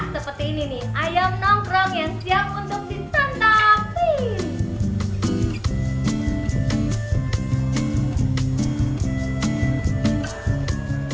seperti ini nih ayam nongkrong yang siap untuk ditanam